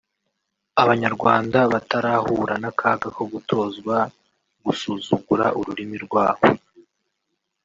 Abanyarwanda batarahura n’akaga ko gutozwa gusuzugura ururimi rwabo